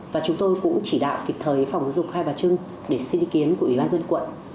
và chúng tôi cũng chỉ đạo kịp thời phòng giục khai bà trưng để xin ý kiến của ủy ban dân quận